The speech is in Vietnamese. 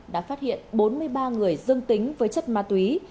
đã phát hiện bốn mươi ba người dương tính với chất ma túy